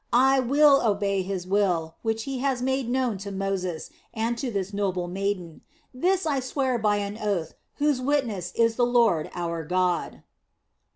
I will obey His will, which He has made known to Moses and to this noble maiden. This I swear by an oath whose witness is the Lord our God."